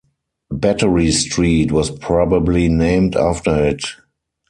Battery Street was probably named after it.